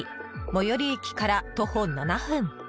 最寄駅から徒歩７分。